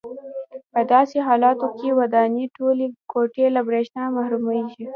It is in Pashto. په داسې حالاتو کې د ودانۍ ټولې کوټې له برېښنا محرومېږي.